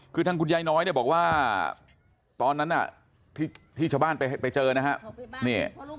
คือทางคุณยายน้อยเนี่ยบอกว่าตอนนั้นน่ะที่ชาวบ้านไปเจอนะฮะ